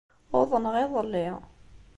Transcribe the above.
Uḍneɣ iḍelli.